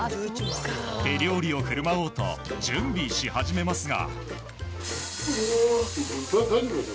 手料理を振る舞おうと準備し始めますが。